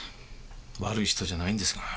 悪い人じゃないんですが。